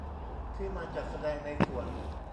ที่มาจัดแสดงในส่วน